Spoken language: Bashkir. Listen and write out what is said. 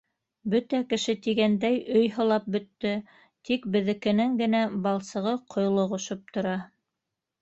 Бөтә кеше тигәндәй өй һылап бөттө, тик беҙҙекенең генә балсығы ҡойлоғошоп тора.